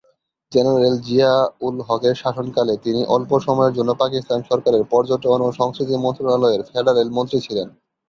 General Zia ul হকের শাসন কালে তিনি অল্প সময়ের জন্য পাকিস্তান সরকারের পর্যটন ও সংস্কৃতি মন্ত্রণালয়ের ফেডারেল মন্ত্রী ছিলেন।